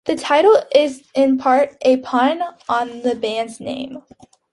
The title is in part a pun on the band's name.